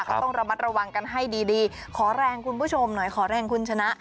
ก็ต้องระมัดระวังกันให้ดีขอแรงคุณผู้ชมหน่อยขอแรงคุณชนะ